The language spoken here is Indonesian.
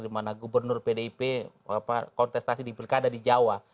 dimana gubernur pdip kontestasi di pilkada di jawa